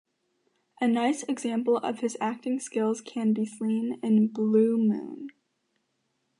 A nice example of his acting skills can be seen in "Blue Moon".